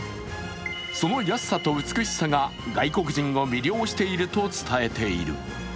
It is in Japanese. その安さと美しさが外国人を魅了していると伝えている。